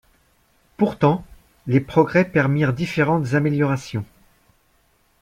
Pourtant, les progrès permirent différentes améliorations.